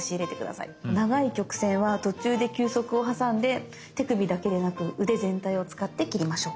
長い曲線は途中で休息を挟んで手首だけでなく腕全体を使って切りましょう。